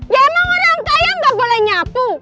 ya emang orang kaya gak boleh nyapu